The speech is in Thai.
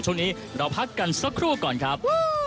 ช่วงนี้เราพักกันสักครู่ก่อนครับ